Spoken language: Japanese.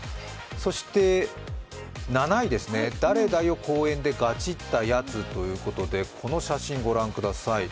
そして７位ですね、誰だよ公園でガチったやつということでこの写真ご覧ください。